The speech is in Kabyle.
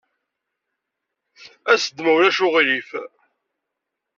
As-d, ma ulac aɣilif.